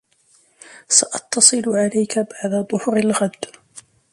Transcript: سأتصل عليك بعد ظهر الغد.